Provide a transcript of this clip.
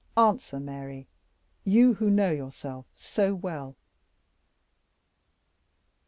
Answer, Mary, you who know yourself so well."